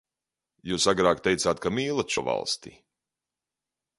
Jūs agrāk teicāt, ka mīlat šo valsti.